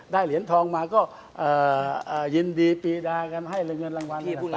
ได้เหรียญทองมาก็ยินดีปีดากันให้เงินรางวัลนั้นต่าง